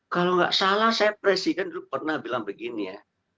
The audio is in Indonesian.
kalau nggak salah saya presiden dulu pernah bilang begini ya